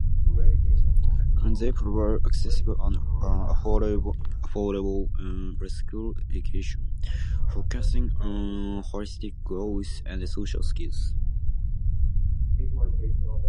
They provide accessible and affordable preschool education, focusing on holistic growth and social skills.